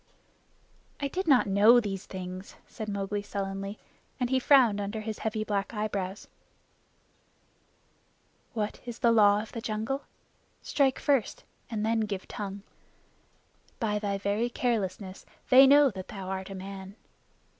"I did not know these things," said Mowgli sullenly, and he frowned under his heavy black eyebrows. "What is the Law of the Jungle? Strike first and then give tongue. By thy very carelessness they know that thou art a man.